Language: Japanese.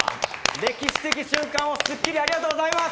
歴史的瞬間を『スッキリ』、ありがとうございます！